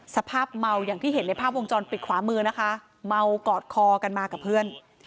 สภาพเมาอย่างที่เห็นในภาพวงจรปิดขวามือนะคะเมากอดคอกันมากับเพื่อน